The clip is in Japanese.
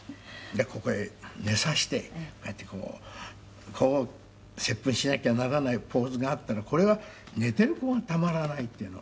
「でここへ寝させてこうやってこうこう接吻しなきゃならないポーズがあったらこれは寝ている子がたまらないっていうの」